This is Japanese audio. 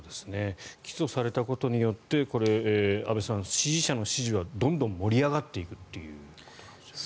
起訴されたことによって安部さん、支持者の支持はどんどん盛り上がっていくという。